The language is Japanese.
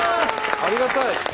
ありがたい！